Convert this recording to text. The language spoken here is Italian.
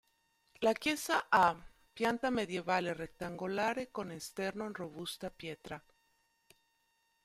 La chiesa ha pianta medievale rettangolare, con esterno in robusta pietra.